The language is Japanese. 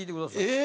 え！？